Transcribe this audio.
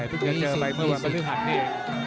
มีสิทธิ์